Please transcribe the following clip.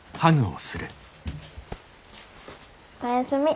おやすみ。